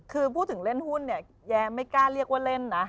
คือพูดถึงเล่นหุ้นเนี่ยแย้ไม่กล้าเรียกว่าเล่นนะ